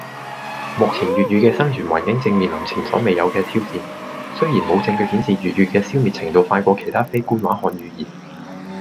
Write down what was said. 目前粵語嘅生存環境正面臨前所未有嘅挑戰，雖然冇證據顯示粵語嘅消滅程度快過其他非官話漢語言